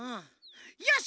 よし！